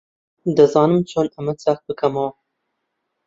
دەزانم چۆن ئەمە چاک بکەمەوە.